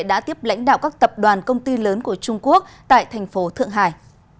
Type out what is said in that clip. đã tiếp lãnh đạo các tập đoàn công ty lớn của trung quốc tại thành phố thượng hải